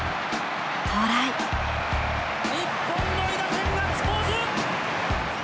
日本の韋駄天ガッツポーズ。